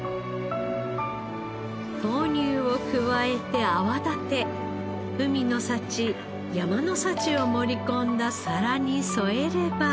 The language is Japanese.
豆乳を加えて泡立て海の幸山の幸を盛り込んだ皿に添えれば。